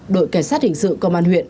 đội cảnh sát hình sự công an huyện